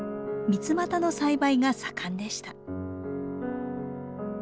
ミツマタの栽培が盛んでした。